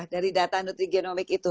dari data nutri genomik itu